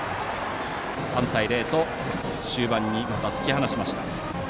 ３対０と終盤に突き放しました。